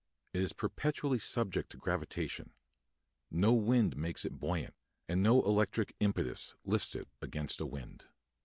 It is perpetually subject to gravitation; no wind makes it buoyant, and no electric impetus lifts it against a wind.